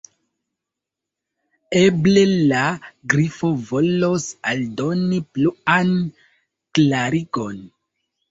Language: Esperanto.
Eble la Grifo volos aldoni pluan klarigon."